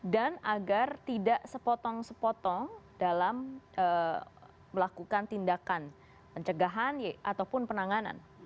dan agar tidak sepotong sepotong dalam melakukan tindakan pencegahan ataupun penanganan